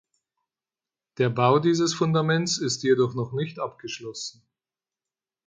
Der Bau dieses Fundaments ist jedoch noch nicht abgeschlossen.